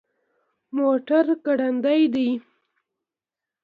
موټر ګړندی دی